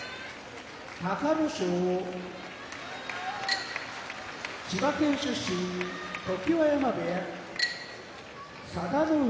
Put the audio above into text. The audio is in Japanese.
隆の勝千葉県出身常盤山部屋佐田の海